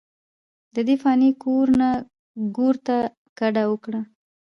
ددې فاني کور نه ګور ته کډه اوکړه،